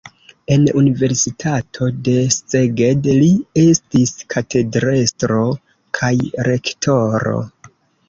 En universitato de Szeged li estis katedrestro kaj rektoro.